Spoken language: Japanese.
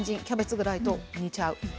キャベツぐらいと煮ちゃう。